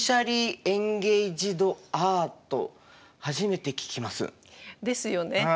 初めて聞きます。ですよね。